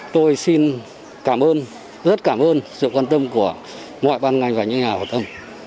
tôi xin cảm ơn rất cảm ơn sự quan tâm của mọi ban ngành và những nhà hậu tâm